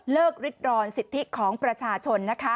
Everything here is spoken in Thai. ๓เลิกริดรอนสิทธิของประชาชน